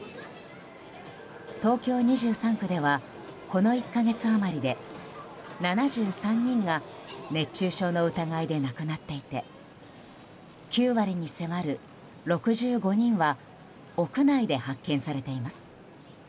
東京２３区ではこの１か月余りで７３人が熱中症の疑いで亡くなっていて９割に迫る６５人は屋内で発見されています。